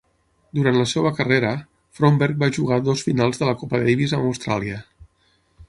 Durant la seva carrera, Fromberg va jugar dues finals de la Copa Davis amb Austràlia.